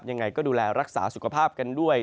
ยังไงก็ดูแลรักษาสุขภาพกันด้วย